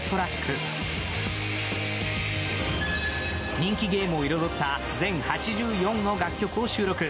人気ゲームを彩った全８４の楽曲を収録。